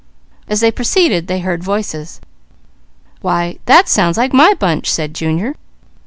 As they proceeded they heard voices. "Why that sounds like my bunch," said Junior.